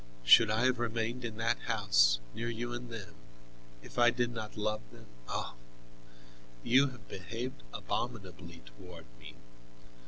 Should I have remained in that house, near you and them, if I did not love them? Oh! You have behaved abominably toward me.